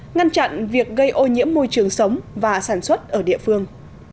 ngăn chặn việc gây ô nhiễm môi trường sống và sản xuất ở địa phương